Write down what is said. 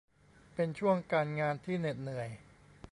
เป็นช่วงการงานที่เหน็ดเหนื่อย